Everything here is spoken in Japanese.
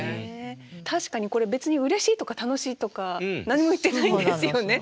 確かにこれ別にうれしいとか楽しいとか何も言ってないんですよね。